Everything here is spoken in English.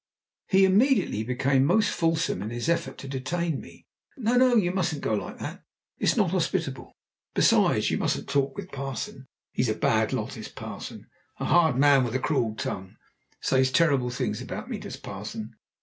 He immediately became almost fulsome in his effort to detain me. "No, no! You mustn't go like that. It's not hospitable. Besides, you mustn't talk with parson. He's a bad lot, is parson a hard man with a cruel tongue. Says terrible things about me, does parson.